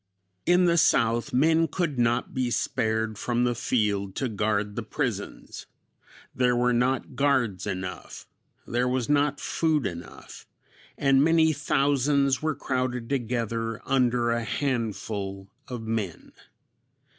"In the south men could not be spared from the field to guard the prisons; there were not guards enough; there was not food enough; and many thousands were crowded together under a handful of men.